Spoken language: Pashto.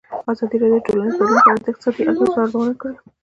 ازادي راډیو د ټولنیز بدلون په اړه د اقتصادي اغېزو ارزونه کړې.